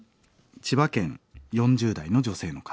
千葉県４０代の女性の方。